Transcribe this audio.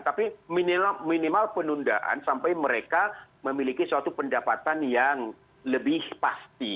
tapi minimal penundaan sampai mereka memiliki suatu pendapatan yang lebih pasti